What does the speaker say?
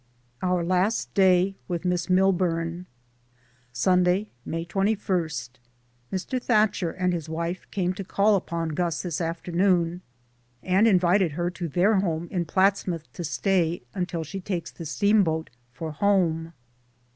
OUR LAST DAY WITH MISS MILBURN. Sunday, May 21. Mr. Thatcher and his wife came to call upon Gus this afternoon, and invited her to 58 DAYS ON THE ROAD. their home in Platsmouth to stay until she takes the steamboat for home.